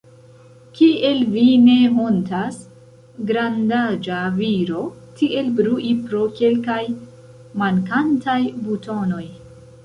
Kiel vi ne hontas, grandaĝa viro, tiel brui pro kelkaj mankantaj butonoj!